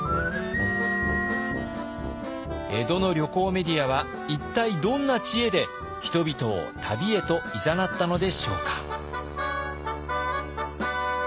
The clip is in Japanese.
江戸の旅行メディアは一体どんな知恵で人々を旅へといざなったのでしょうか？